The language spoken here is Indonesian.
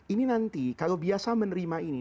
ini nanti kalau biasa menerima ini